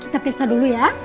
kita periksa dulu ya